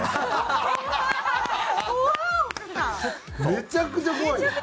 めちゃくちゃ怖いやん！